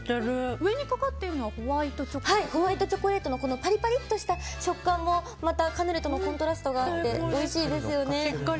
上にかかってるのはホワイトチョコレートのパリパリした食感もまたカヌレとのコントラストがあっておいしいですよね。